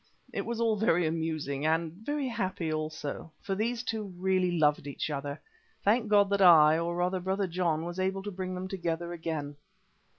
It was all very amusing, and very happy also, for these two really loved each other. Thank God that I, or rather Brother John, was able to bring them together again.